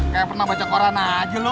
kayak pernah baca koran aja loh